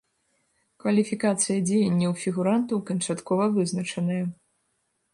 Кваліфікацыя дзеянняў фігурантаў канчаткова вызначаная.